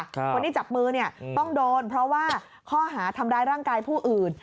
คนที่จับมือเนี่ยต้องโดนเพราะว่าข้อหาทำร้ายร่างกายผู้อื่น